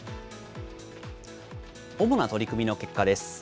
主な取り組みの結果です。